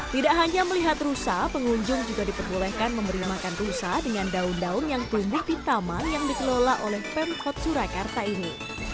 tidak hanya melihat rusa pengunjung juga diperbolehkan memberi makan rusa dengan daun daun yang tumbuh di taman yang dikelola oleh pemkot surakarta ini